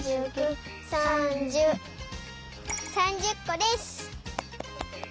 ３０こです！